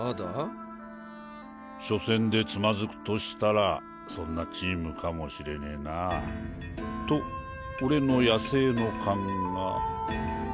初戦でつまずくとしたらそんなチームかもしれねぇなと俺の野生のカンが。